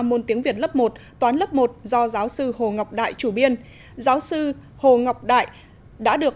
môn tiếng việt lớp một toán lớp một do giáo sư hồ ngọc đại chủ biên giáo sư hồ ngọc đại đã được